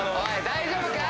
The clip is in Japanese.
大丈夫か？